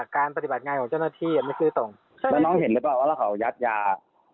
การปฏิบัติงานของเจ้าหน้าที่ไม่ซื้อตรงแล้วน้องเห็นหรือเปล่าว่าแล้วเขายัดยา